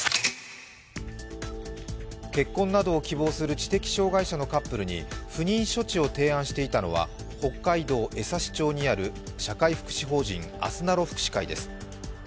結婚などを希望する知的障害者のカップルに不妊処置を提案していたのは北海道江差町にある社会福祉あすなろ福祉会です。